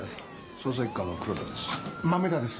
捜査一課の黒田です。